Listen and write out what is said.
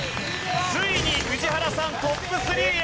ついに宇治原さんトップ３へ。